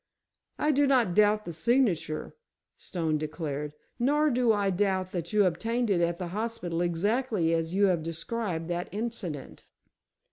"I do not doubt the signature," Stone declared, "nor do I doubt that you obtained it at the hospital exactly as you have described that incident."